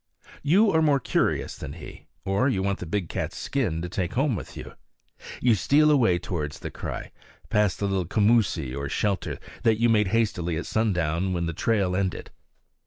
You are more curious than he, or you want the big cat's skin to take home with you. You steal away towards the cry, past the little commoosie, or shelter, that you made hastily at sundown when the trail ended.